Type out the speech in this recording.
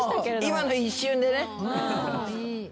今の一瞬でね。